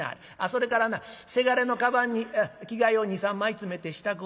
それからなせがれのかばんに着替えを２３枚詰めて支度をしてやんなはれ。